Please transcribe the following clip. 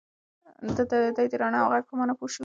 دی د رڼا او غږ په مانا پوه شو.